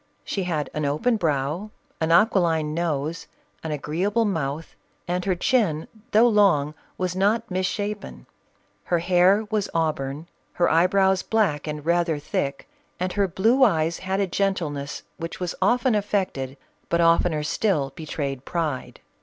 She had an open brow, an aquiline nose, an agreeable mouth, and her chin, though long, was not mis shapen. Her hair was au burn, her eyebrows black and rather thick ; and. her blue eyes had a gentleness which was often affected, but oftener still betrayed pride.